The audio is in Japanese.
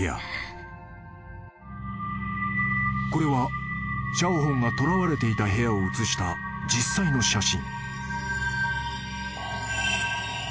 ［これはシャオホンが捕らわれていた部屋を写した実際の写真］